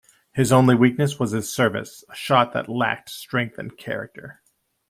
His only weakness was his service, a shot that lacked strength and character.